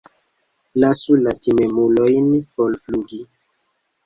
Lasu la timemulojn forflugi.